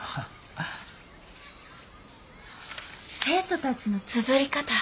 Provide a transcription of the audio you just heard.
生徒たちのつづり方。